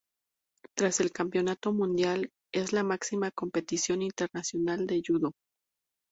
Tras el Campeonato Mundial, es la máxima competición internacional de yudo.